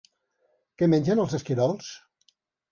Què mengen els esquirols?